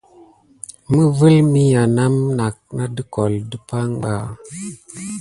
Məvel miha nayakela name nat de kole dipay ɓa.